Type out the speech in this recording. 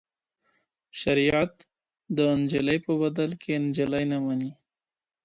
شريعت د نجلۍ په بدل کي نجلۍ نه مني.